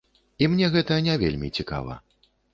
Мне гэта не вельмі цікава.